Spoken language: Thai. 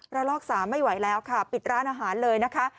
ลอก๓ไม่ไหวแล้วค่ะปิดร้านอาหารเลยนะคะ